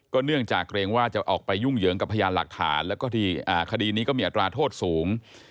เนื่องจากเกรงว่าจะออกไปยุ่งเหยิงกับพยานหลักฐานแล้วก็ที่คดีนี้ก็มีอัตราโทษสูง